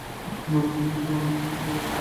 মনে হয় না আর কোন উপায় আছে।